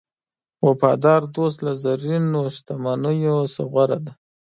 وفادار دوست له زرینو شتمنیو نه غوره دی.